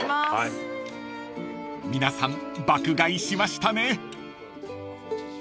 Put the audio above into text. ［皆さん爆買いしましたね］